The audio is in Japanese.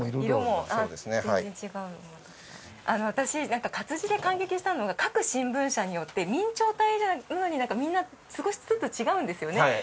私なんか活字で感激したのが各新聞社によって明朝体なのにみんな少しずつ違うんですよね。